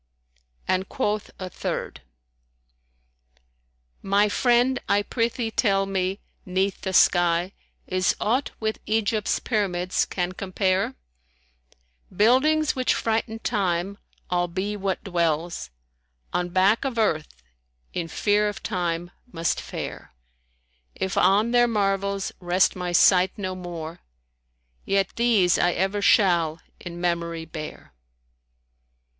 And quoth a third, "My friend I prithee tell me, 'neath the sky * Is aught with Egypt's Pyramids can compare? Buildings which frighten Time, albe what dwells * On back of earth in fear of Time must fare: If on their marvels rest my sight no more, * Yet these I ever shall in memory bear."